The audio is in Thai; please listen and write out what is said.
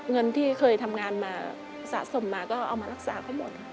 เงินที่เคยทำงานมาสะสมมาก็เอามารักษาเขาหมดค่ะ